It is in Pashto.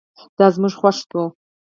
دا زما خوښ شو